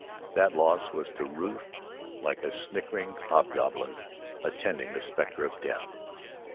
That loss was to Ruth like a snickering hobgoblin attending the specter of death.